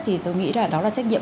thì tôi nghĩ là đó là trách nhiệm